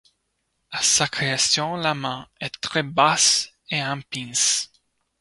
À sa création la main est très basse et en pince.